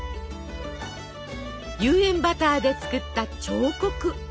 有塩バターで作った彫刻。